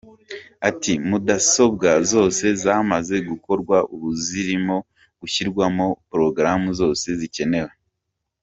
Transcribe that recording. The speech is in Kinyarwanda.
Ati “Mudasobwa zose zamaze gukorwa ubu zirimo gushyirwamo porogaramu zose zikenewe.